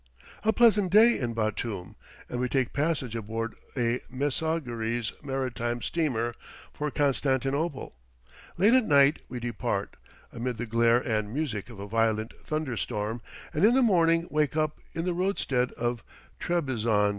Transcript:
A pleasant day in Batoum, and we take passage aboard a Messageries Maritimes steamer for Constantinople. Late at night we depart, amid the glare and music of a violent thunder storm, and in the morning wake up in the roadstead of Trebizond.